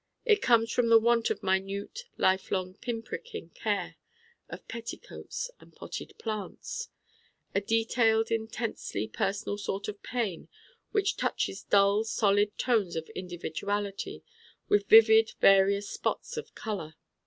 It comes from the want of minute lifelong pinpricking care of petticoats and potted plants a detailed intensely personal sort of pain which touches dull solid tones of individuality with vivid various spots of color.